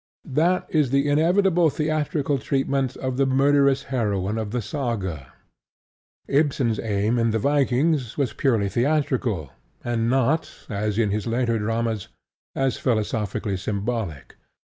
That is the inevitable theatrical treatment of the murderous heroine of the Saga. Ibsen's aim in The Vikings was purely theatrical, and not, as in his later dramas, also philosophically symbolic.